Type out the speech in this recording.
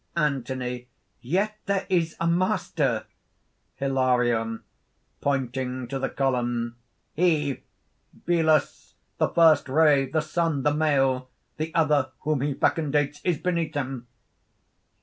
ANTHONY. "Yet there is a master!" HILARION (pointing to the column): "He! Belus! the first ray, the Sun, the Male! The Other, whom he fecundates, is beneath him!"